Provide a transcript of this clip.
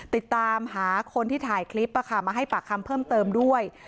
ติดตามหาคนที่ถ่ายคลิปมาให้ปากคำเพิ่มเติมด้วย